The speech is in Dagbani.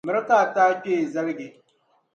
Miri ka a ti a kpee zalige.